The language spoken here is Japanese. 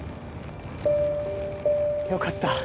よかった